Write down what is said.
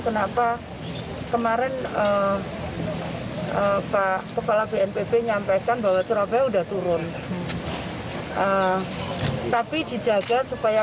kenapa kemarin pak kepala bnpb nyampaikan bahwa surabaya udah turun tapi dijaga supaya